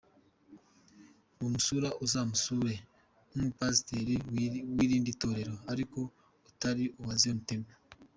Numusura, uzamusure nk’umupasiteri w’irindi torero ariko atari uwa Zion Temple.